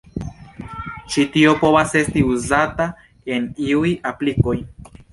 Ĉi tio povas esti uzata en iuj aplikoj.